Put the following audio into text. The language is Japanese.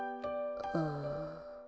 ああ。